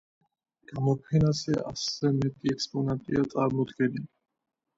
გამოფენაზე ასზე მეტი ექსპონატია წარმოდგენილი.